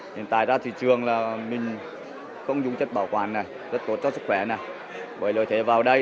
hiện tại ra thị trường là mình không dùng chất bảo quản này chất tốt cho sức khỏe này với lợi thể vào đây